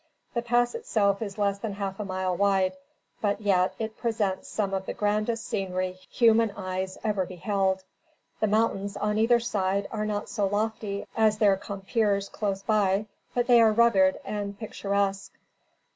The pass itself is less than half a mile wide, but yet, it presents some of the grandest scenery human eyes ever beheld. The mountains, on either side, are not so lofty as their compeers close by, but they are rugged and picturesque.